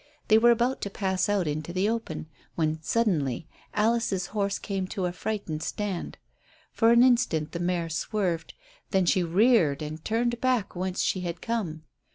They were about to pass out into the open when suddenly Alice's horse came to a frightened stand. For an instant the mare swerved, then she reared and turned back whence she had come.